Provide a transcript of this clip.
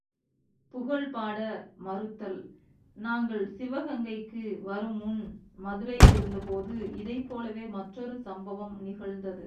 புகழ்பாட மறுத்தல் நாங்கள் சிவகங்கைக்கு வருமுன் மதுரையிலிருந்தபோது இதைப் போலவே மற்றொரு சம்பவம் நிகழ்ந்தது.